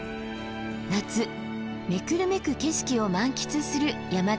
夏目くるめく景色を満喫する山旅です。